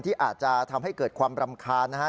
ที่อาจจะทำให้เกิดความรำคาญนะฮะ